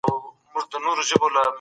حجاب مراعات کړئ.